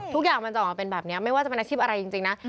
ทุกอย่างมันจะออกมาเป็นแบบนี้ไม่ว่าจะเป็นอาชีพอะไรจริงนะ